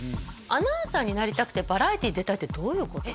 アナウンサーになりたくてバラエティ出たいってどういうこと？